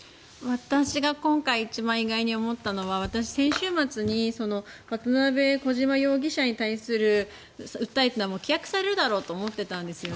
私が今回一番意外に思ったのは私、先週末に渡邉容疑者小島容疑者に対する訴えというのは棄却されるだろうと思っていたんですね。